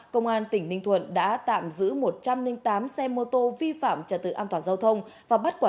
công an tỉnh ninh thuận đã tạm giữ một trăm linh tám xe mô tô vi phạm trả tự an toàn giao thông và bắt quả